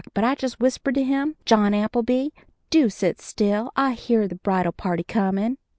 But I just whispered to him, "John Appleby, do sit still! I hear the bridal party comin'!"